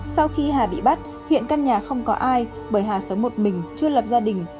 sau khi hà bị bắt hiện căn nhà không có ai bởi hà sống một mình chưa lập gia đình